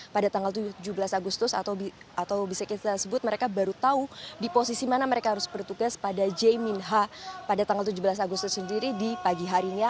pada tanggal tujuh belas agustus atau bisa kita sebut mereka baru tahu di posisi mana mereka harus bertugas pada j minha pada tanggal tujuh belas agustus sendiri di pagi harinya